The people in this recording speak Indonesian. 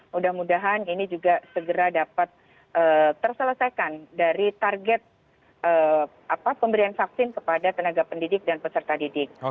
mudah mudahan ini juga segera dapat terselesaikan dari target pemberian vaksin kepada tenaga pendidik dan peserta didik